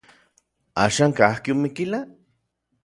¿Axan kajki Omiquila?